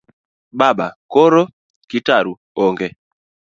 Baba:koro? Kitaru: ong'e